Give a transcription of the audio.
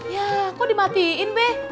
ya kok dimatiin be